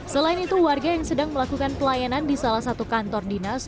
selain itu warga yang sedang melakukan pelayanan di salah satu kantor dinas